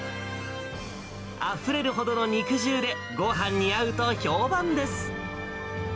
あふれるほどの肉汁で、ごはんに合うと評判です。